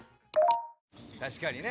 確かにね。